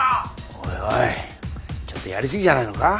おいおいちょっとやり過ぎじゃないのか。